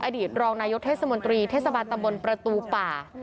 อดีตรองนายกเทศมนตรีเทศบาลตำบลประตูป่า